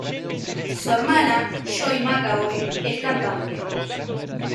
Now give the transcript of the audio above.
Su hermana, Joy McAvoy, es cantante.